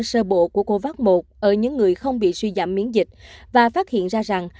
sơ bộ của covax một ở những người không bị suy giảm miễn dịch và phát hiện ra rằng